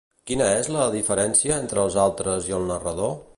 Quina és la diferència entre els altres i el narrador?